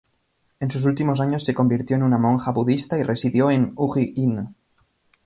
En sus últimos años se convirtió en una monja budista y residió en Uji-in.